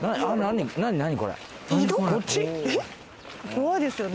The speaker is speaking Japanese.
怖いですよね。